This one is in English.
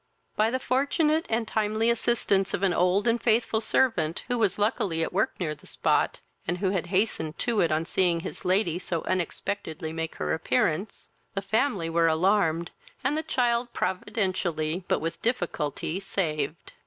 By the fortunate and timely assistance of an old and faithful servant, who was luckily at work near the spot, and who had hastened to it on seeing his lady so unexpectedly make her appearance, the family were alarmed, and the child providentially, but with difficulty, saved.